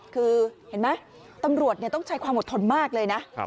คือเห็นไหมตำรวจต้องใช้ความอดทนมากเลยนะ